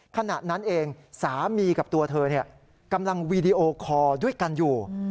ขณะนั้นเองสามีกับตัวเธอกำลังวีดีโอคอร์ด้วยกันอยู่